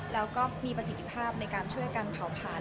แล้วก็มีประสิทธิภาพในการช่วยกันเผาผ่าน